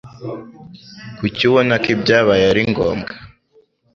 Kuki ubona ko ibyabaye ari ngombwa?